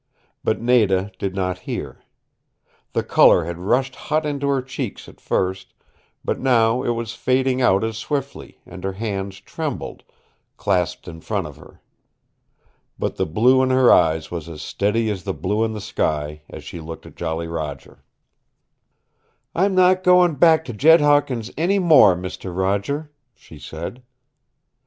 But Nada did not hear. The color had rushed hot into her cheeks at first, but now it was fading out as swiftly, and her hands trembled, clasped in front of her. But the blue in her eyes was as steady as the blue in the sky as she looked at Jolly Roger. "I'm not going back to Jed Hawkins' any more, Mister Roger," she said.